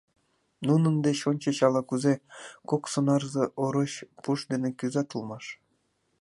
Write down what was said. Нунын деч ончыч ала-кузе кок сонарзе-ороч пуш дене кӱзат улмаш.